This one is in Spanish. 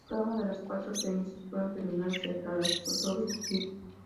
Cada una de las cuatro premisas fueron terminadas y aclamadas por todo el equipo.